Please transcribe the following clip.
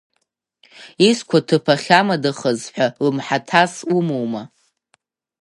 Изқәаҭыԥ ахьамадахаз ҳәа лымҳаҭас умоума?